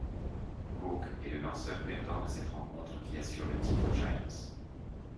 Coke est le lanceur perdant de cette rencontre qui assure le titre aux Giants.